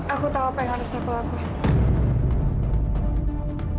aku tahu apa yang harus aku lakukan